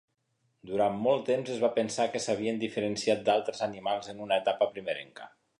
Durant molt temps es va pensar que s'havien diferenciat d'altres animals en una etapa primerenca.